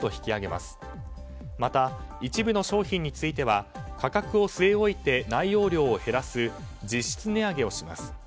また、一部の商品については価格を据え置いて内容量を減らす実質値上げをします。